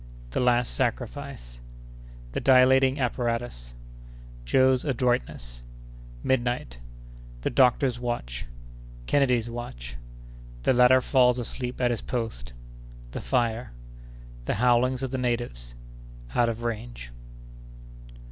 —The Last Sacrifice.—The Dilating Apparatus.—Joe's Adroitness.—Midnight.—The Doctor's Watch.—Kennedy's Watch.—The Latter falls asleep at his Post.—The Fire.—The Howlings of the Natives.—Out of Range.